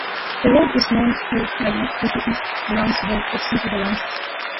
The road is known colloquially as the "East Lancs Road" or simply "the Lancs".